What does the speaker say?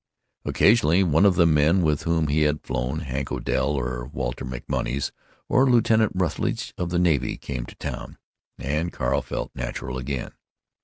Occasionally one of the men with whom he had flown—Hank Odell or Walter MacMonnies or Lieutenant Rutledge of the navy—came to town, and Carl felt natural again.